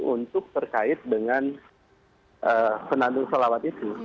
untuk terkait dengan senandung solawat itu